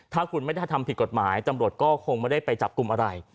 ถ้าคุณไม่ได้ทำผิดกฎหมายตำรวจก็คงไม่ได้ไปจับกลุ่มอะไร